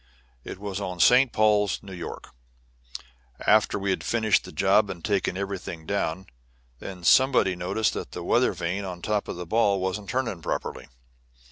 It was on St. Paul's, New York, after we had finished the job and taken everything down. Then somebody noticed that the weather vane on top of the ball wasn't turning properly.